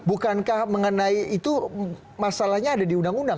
bukankah mengenai itu masalahnya ada di undang undang